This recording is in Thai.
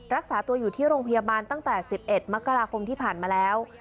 รักษาตัวอยู่ที่โรงพยาบาลตั้งแต่๑๑มกราคมที่ผ่านมาแล้ว